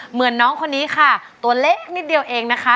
เหมือนน้องคนนี้ค่ะตัวเล็กนิดเดียวเองนะคะ